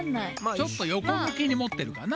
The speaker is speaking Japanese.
ちょっとよこむきに持ってるかな？